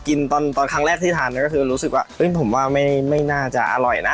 กินตอนครั้งแรกที่ทานก็คือรู้สึกว่าผมว่าไม่น่าจะอร่อยนะ